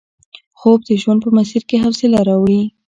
خوب د ژوند په مسیر کې حوصله راوړي